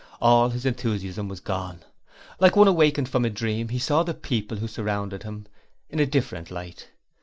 All his enthusiasm was gone. Like one awakened from a dream he saw the people who surrounded him in a different light.